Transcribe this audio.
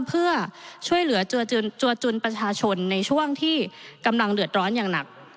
เพื่อช่วยเหลือจัวจุนประชาชนในช่วงที่กำลังเดือดร้อนอย่างหนัก